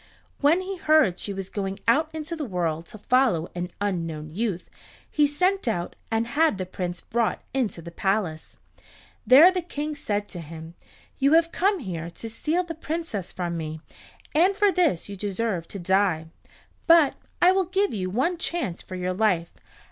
When he heard she was going out into the world to follow an unknown youth, he sent out and had the Prince brought into the palace. There the King said to him, "You have come here to steal the Princess from me, and for this you deserve to die. But I will give you one chance for your life.